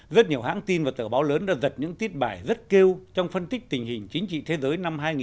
rất nhiều hãng tin và tờ báo lớn đã giật những tiết bài rất kêu trong phân tích tình hình chính trị thế giới năm hai nghìn hai mươi